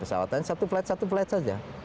pesawatnya satu flight satu flight saja